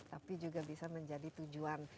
tapi juga bisa menjadi tujuan